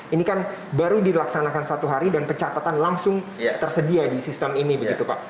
ini kan baru dilaksanakan satu hari dan pencatatan langsung tersedia di sistem ini begitu pak